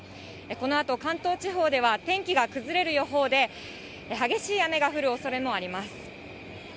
このあと関東地方では、天気が崩れる予報で、激しい雨が降るおそれもあります。